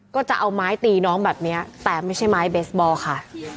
ก็จะเอาไม้ตีน้องแบบนี้แต่ไม่ใช่ไม้เบสบอลค่ะ